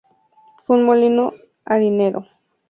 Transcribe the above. Fue un molino harinero que ha sufrido diversas reformas.